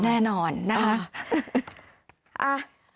แน่นอนนะคะ